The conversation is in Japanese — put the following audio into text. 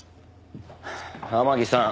天樹さん